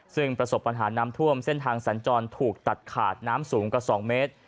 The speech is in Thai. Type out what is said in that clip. ซึ่งประสบปัญหาน้ำท่วมเส้นทางสัญจรถูกตัดขาดน้ำสูงกว่า๒เมตร